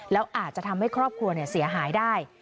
แล้วอาจจะทำให้ครอบครัวเสียหายได้